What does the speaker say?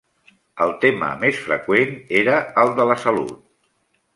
El tema més freqüent era el de la salut.